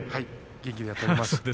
元気にやっております。